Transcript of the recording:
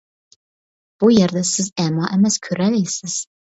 بۇ يەردە سىز ئەما ئەمەس، كۆرەلەيسىز.